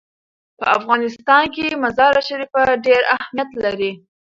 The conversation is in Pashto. په افغانستان کې مزارشریف ډېر اهمیت لري.